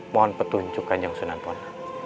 mohon petunjukkan yang sunampun